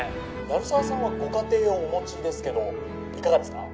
鳴沢さんはご家庭をお持ちですけどいかがですか？